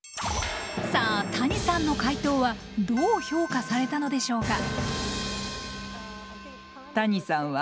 さあ谷さんの解答はどう評価されたのでしょうか？